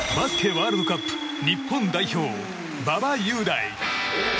ワールドカップ日本代表馬場雄大。